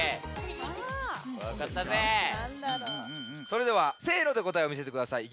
それでは「せの」でこたえをみせてください。